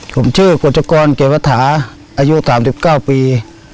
ผมชื่อกวจกรเกรียดวัตถาอายุ๓๙ปี